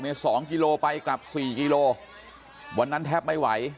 ๒กิโลกรัมไปกลับ๔กิโลกรัมวันนั้นแทบไม้วาย